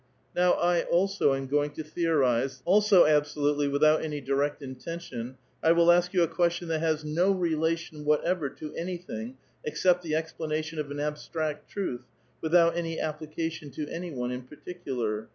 Now I also am going to theorize, also absolutely without any direct intention, I will ask you a question that has no relation, whatever to anything except the explanation of an abstract truth, without any application to any one in particular.